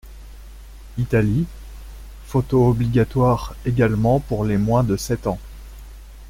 Italie : photos obligatoires également pour les moins de sept ans.